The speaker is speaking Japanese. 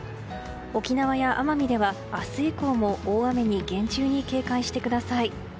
沖縄や奄美では明日以降も大雨に厳重に警戒してください。